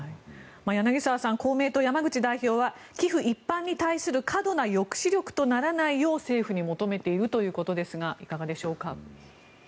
柳澤さん公明党、山口代表は寄付一般に対する過度な抑止力とならないよう政府に求めてるということですがいかがでしょうか。